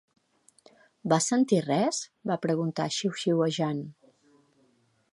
"Vas sentir res?" va preguntar xiuxiuejant.